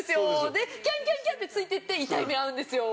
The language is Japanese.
で、キャンキャンキャンてついていって痛い目遭うんですよ。